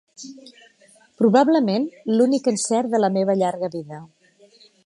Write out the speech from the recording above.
Probablement, l'únic encert de la meva llarga vida.